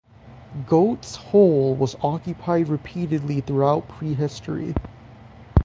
Goat's Hole was occupied repeatedly throughout prehistory.